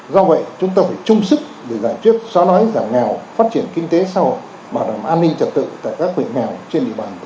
do vậy chúng ta phải chung sức để giải trước xóa lói giảm nghèo phát triển kinh tế sau bảo đảm an ninh trật tự tại các huyện nghèo trên địa bàn